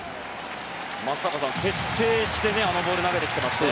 松坂さん、徹底してあのボールを投げてきますね。